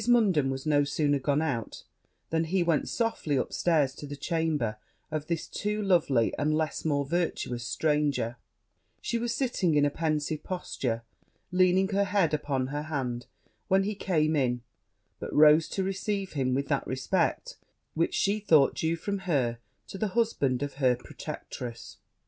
Munden was no sooner gone out, than he went softly up stairs to the chamber of this too lovely and less more virtuous stranger: she was sitting in a pensive posture, leaning her head upon her hand, when he came in; but rose to receive him with that respect which she thought due from her to the husband of her protectress.